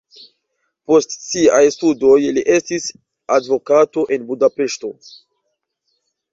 Post siaj studoj li estis advokato en Budapeŝto.